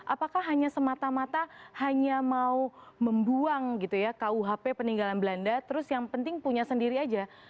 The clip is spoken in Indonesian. apakah hanya semata mata hanya mau membuang rkuhp peninggalan belanda terus yang penting punya sendiri saja